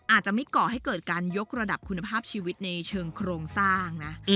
อาจจะไม่ก่อให้เกิดการยกระดับคุณภาพชีวิตในเชิงโครงสร้างนะ